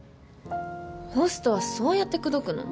ホストはそうやって口説くの？